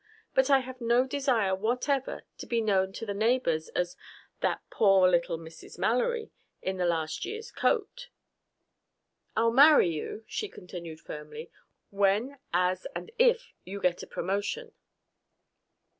But I have no desire whatever to be known to the neighbors as 'that poor little Mrs. Mallory in last year's coat.' "I'll marry you," she continued firmly, "when, as and if you get a promotion."